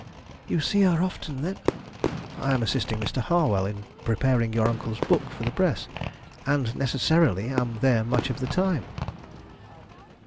"You see her often, then?" "I am assisting Mr. Harwell in preparing your uncle's book for the press, and necessarily am there much of the time."